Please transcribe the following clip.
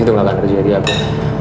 itu gak akan terjadi aku